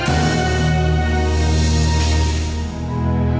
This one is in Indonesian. kita tetap melakukan takie peperiksaan mungkin jika ada yang terhelpverd datang n détek di file ini